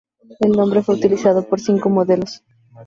El nombre fue utilizado por cinco modelos.